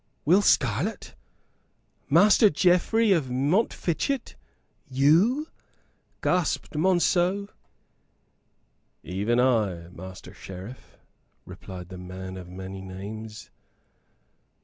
"Will Scarlett Master Geoffrey of Montfichet you?" gasped Monceux. "Even I, Master Sheriff," replied the man of many names.